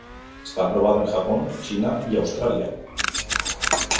Está aprobado en Japón, China y Australia.